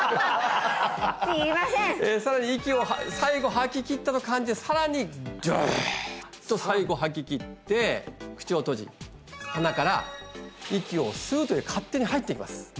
さらに息を最後吐ききったと感じてさらにドワーッと最後吐ききって口を閉じ鼻から息を吸うというか勝手に入ってきます